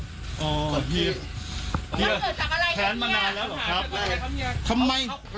เฮียแพ้นมานานแล้วหรอครับ